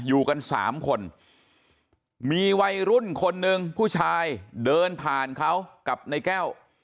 อยู่กันสามคนมีวัยรุ่นคนหนึ่งผู้ชายเดินผ่านเขากับในแก้ว